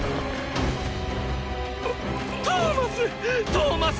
トーマス！